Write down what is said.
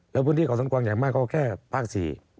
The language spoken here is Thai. เออพื้นที่เก่าสนกว้างใหญ่มากับก็แค่ภาคศรี